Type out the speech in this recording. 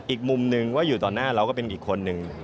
อีกมุมหนึ่งว่าอยู่ต่อหน้าเราก็เป็นอีกคนนึง